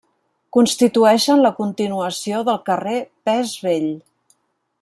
Constitueixen la continuació del carrer Pes Vell.